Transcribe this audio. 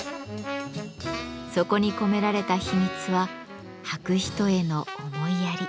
そこに込められた秘密は履く人への思いやり。